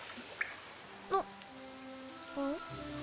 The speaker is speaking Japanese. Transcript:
あっん？